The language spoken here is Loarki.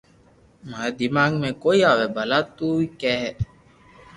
ماري دماغ ۾ ڪوئي آوي ڀلا تو تي ڪي